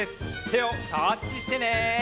てをタッチしてね！